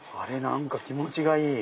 何か気持ちがいい。